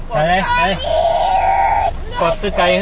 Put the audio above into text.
ไปไป